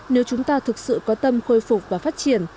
nếu chúng ta thực sự có tâm khôi phục và phát triển